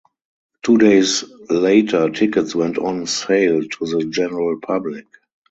Two days later tickets went on sale to the general public.